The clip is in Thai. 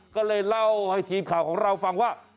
ก็เลยเล่าให้ทีมข่าวของเราฟังว่า